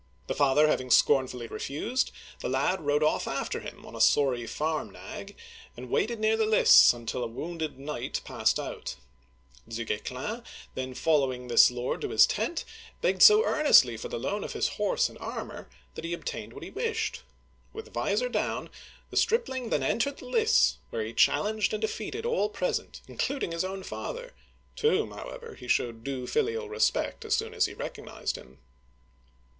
The father having scornfully refused, the lad rode off after him on a sorry farm nag, and waited near the lists until a wounded knight passed out. Du Guesclin, then following this lord to his tent, begged so earnestly for the loan of his horse and armor, that he Digitized by Google l66 OLD FRANCE obtained what he wished. With visor down, the stripling then entered the lists, where he challenged and defeated all present, including his own father, to whom, however, he showed due filial respect as soon as he recognized him.